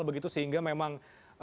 begitu sehingga memang